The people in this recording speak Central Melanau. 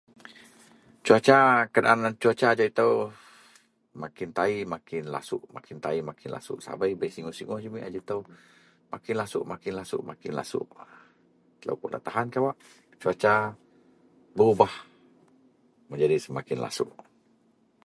Cuaca keadaan cuaca ajau ito makin tayi makin lasuok makin tayi makin lasuok sabei bei singoh-sungoh jumit ajau ito makin lasuok makin lasuok telo puon da tahan cuaca berubah menjadi semakin lasuok.